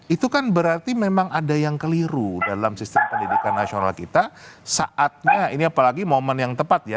itu kan berarti memang ada yang keliru dalam sistem pendidikan nasional kita saatnya ini apalagi momen yang tepat ya